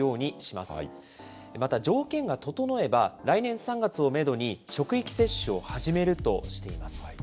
また、条件が整えば、来年３月をメドに、職域接種を始めるとしています。